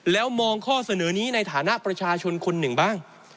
แล้วมองข้อเสนอนี้ในฐานะประชาชนคนหนึ่งบ้าง